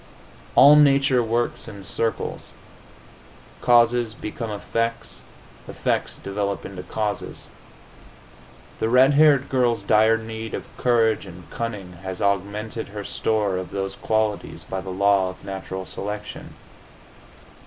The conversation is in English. All nature works in circles. Causes become effects; effects develop into causes. The red haired girl's dire need of courage and cunning has augmented her store of those qualities by the law of natural selection.